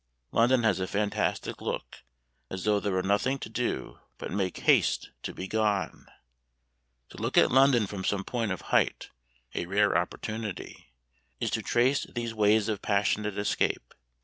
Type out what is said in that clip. London has a fantastic look, as though there were nothing to do but make haste to be gone. To look at London from some point of height a rare opportunity is to trace these ways of passionate escape.